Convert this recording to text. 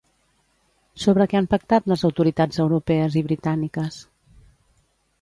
Sobre què han pactat les autoritats europees i britàniques?